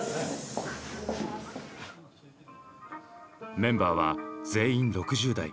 メンバーは全員６０代。